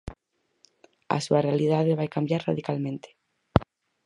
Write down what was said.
A súa realidade vai cambiar radicalmente.